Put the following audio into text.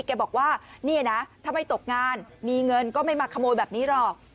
แกบอกว่านี่นะถ้าไม่ตกงานมีเงินก็ไม่มาขโมยแบบนี้หรอก